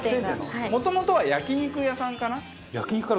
もともとは焼き肉屋さんかな？